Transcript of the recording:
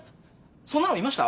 そんなのいました？